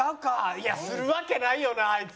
いやするわけないよなあいつ。